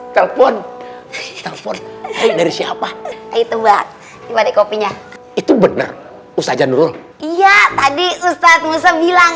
telepon telepon dari siapa itu mbak kopinya itu bener usaha jadul iya tadi ustadz musa bilang